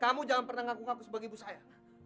kamu jangan pernah ngaku ngaku sebagai ibu saya